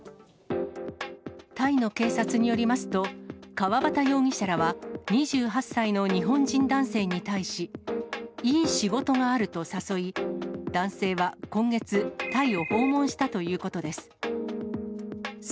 タイの警察によりますと、川端容疑者らは２８歳の日本人男性に対し、いい仕事があると誘い、男性は今月、タイを訪問したということです。